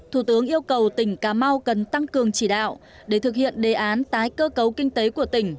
thủ tướng yêu cầu tỉnh cà mau cần tăng cường chỉ đạo để thực hiện đề án tái cơ cấu kinh tế của tỉnh